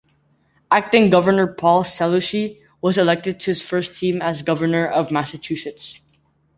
Acting Governor Paul Cellucci was elected to his first term as Governor of Massachusetts.